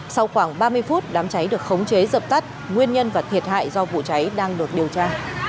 sau khoảng ba mươi phút đám cháy được khống chế dập tắt nguyên nhân và thiệt hại do vụ cháy đang được điều tra